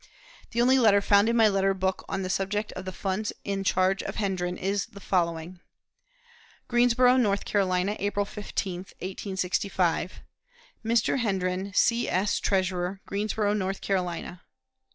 The only letter found in my letter book on the subject of the funds in charge of Hendren is the following: "GREENSBORO, NORTH CAROLINA, April 15, 1865. "Mr. HENDREN, _C. S. Treasurer, Greensboro, North Carolina.